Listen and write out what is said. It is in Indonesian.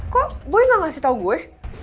kok gue gak ngasih tau gue